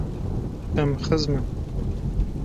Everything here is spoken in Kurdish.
Em xizm in.